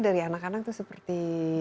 dari anak anak itu seperti